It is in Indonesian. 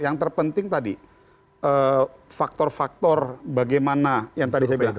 yang terpenting tadi faktor faktor bagaimana yang tadi saya bilang